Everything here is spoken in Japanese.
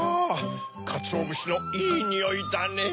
かつおぶしのいいにおいだねぇ。